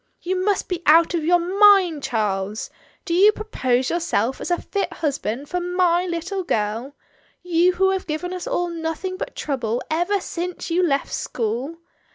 "You must be out of your mind, Charles. Do you propose yourself as a fit husband for my little girl — you who have given us all nothing but trouble ever since you left school?